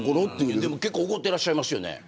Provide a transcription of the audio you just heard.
結構怒ってらっしゃいましたね